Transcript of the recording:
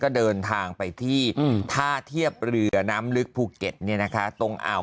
ก็เดินทางไปที่ท่าเทียบเรือน้ำลึกภูเก็ตตรงอ่าว